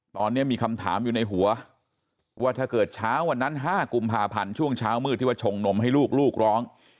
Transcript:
ตอนนี้มีคำถามอยู่ในหัวว่าถ้าเกิดเช้าวันนั้น๕กุมภาพันธ์ช่วงเช้ามืดที่ว่าชงนมให้ลูกร้อง